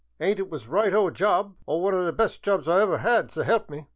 An' it was a right o job, one o' the best jobs I ever 'ad, s' elp me.